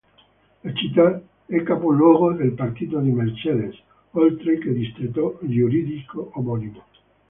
La città è capoluogo del Partido di Mercedes, oltre che distretto giuridico omonimo.